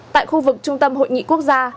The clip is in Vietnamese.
tại khu vực trung tâm hội nghị quốc gia